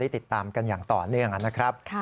ติดตามกันอย่างต่อเนื่องนะครับ